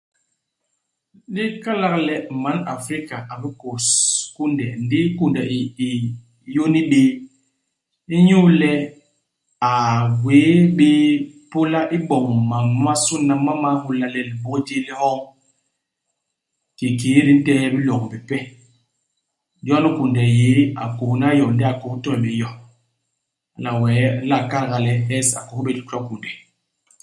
Di kalak le man Afrika a bikôs kunde ndi ikunde i i yôni bé, inyu le a gwéé bé pôla iboñ ma momasôna ma ma nhôla le libôk jéé li hoñ, kiki di ntehe i biloñ bipe. Jon kunde yéé, a kôhna yo ndi a kôs toy bé yo. Hala wee ndi nla kal nga le hes a kôs bé to kunde.